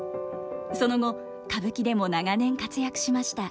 その後歌舞伎でも長年活躍しました。